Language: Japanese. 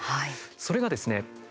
それがですね